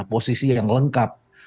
posisi yang lengkap